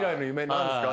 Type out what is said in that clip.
何ですか？